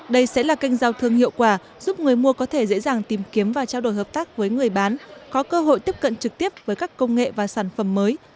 đây sẽ là kênh giao thương hiệu quả giúp người mua có thể dễ dàng tìm kiếm và trao đổi hợp tác với người bán có cơ hội tiếp cận trực tiếp với các công nghệ và sản phẩm mới